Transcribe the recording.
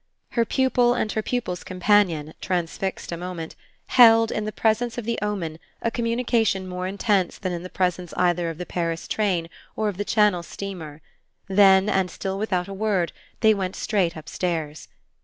Her pupil and her pupil's companion, transfixed a moment, held, in the presence of the omen, communication more intense than in the presence either of the Paris train or of the Channel steamer; then, and still without a word, they went straight upstairs.